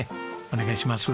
お願いします。